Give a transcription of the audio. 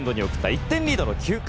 １点リードの９回。